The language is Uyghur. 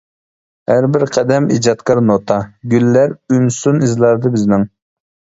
ھەر بىر قەدەم ئىجادكار نوتا، گۈللەر ئۈنسۇن ئىزلاردا بىزنىڭ.